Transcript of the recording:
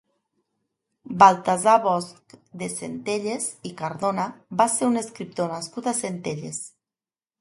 Baltasar Bosc de Centelles i Cardona va ser un escriptor nascut a Centelles.